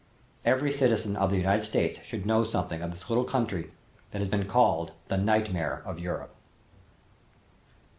Every citizen of the United States should know something of this little country that has been called "The Nightmare of Europe."